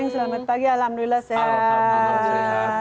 selamat pagi alhamdulillah sehat